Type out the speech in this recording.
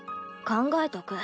考えとく。